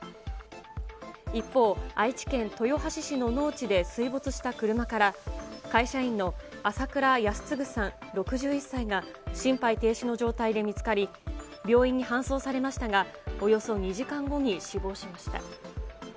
一方、愛知県豊橋市の農地で水没した車から、会社員の朝倉泰嗣さん６１歳が、心肺停止の状態で見つかり、病院に搬送されましたが、およそ２時間後に死亡しました。